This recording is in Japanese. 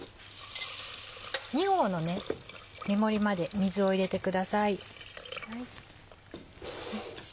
２合の目盛りまで水を入れてください。